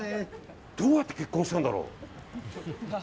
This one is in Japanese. どうやって結婚したんだろう。